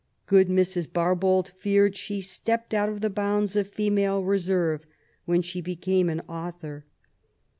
Good Mrs. Barbauld feared she '' stepped •jTjO^t of the bounds of female reserve^' when she became an author.